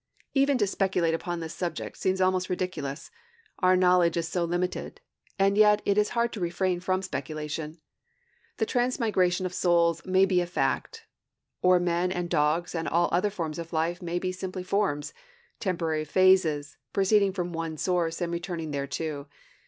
Even to speculate upon this subject seems almost ridiculous, our knowledge is so limited; and yet it is hard to refrain from speculation. The transmigration of souls may be a fact, or men and dogs and all other forms of life may be simply forms, temporary phases, proceeding from one source, and returning thereto.